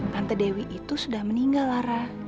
tante dewi itu sudah meninggal lara